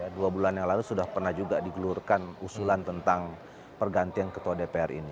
dua bulan yang lalu sudah pernah juga digelurkan usulan tentang pergantian ketua dpr ini